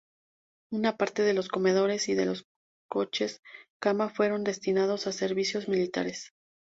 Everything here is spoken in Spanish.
Una parte de los comedores y de los coches-cama fueron destinados a servicios militares.